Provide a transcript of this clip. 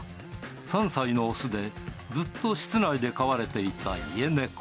３歳の雄でずっと室内で飼われていた家猫。